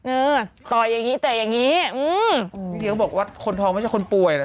เออต่อยอย่างงี้แต่อย่างงี้อืมบางทีเขาบอกว่าคนทองไม่ใช่คนป่วยน่ะ